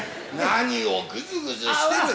何をぐずぐずしてる。